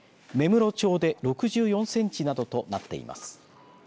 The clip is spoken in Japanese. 芽室町で６４センチなどとなっています。